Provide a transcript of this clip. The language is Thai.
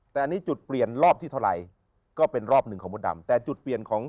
ถ้าที่เจรนัยให้กับคนเกิด